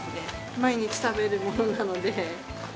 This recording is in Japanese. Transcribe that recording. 毎日食べるものなので。